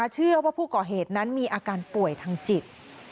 เชื่อว่าผู้ก่อเหตุนั้นมีอาการป่วยทางจิต